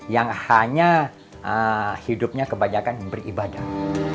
yang hanya hidupnya kebanyakan beribadah